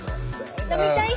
飲みたいな。